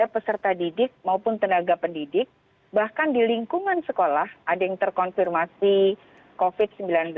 peserta didik maupun tenaga pendidik bahkan di lingkungan sekolah ada yang terkonfirmasi covid sembilan belas